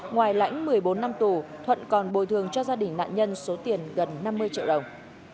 ngoài lãnh một mươi bốn năm tù thuận còn bồi thường cho gia đình nạn nhân số tiền gần năm mươi triệu đồng